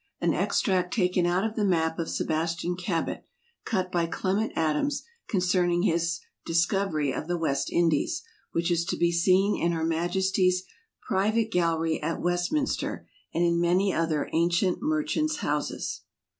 An extract taken out of the map of Sebastian Cabot, cut by Clement Adams, concerning his discouery of the West Indies, which is to be seene in her Maiesties priuie gallerie at Westminster, and in many other ancient merchants houses.